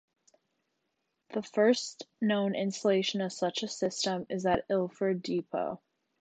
The first known installation of such a system is at Ilford Depot.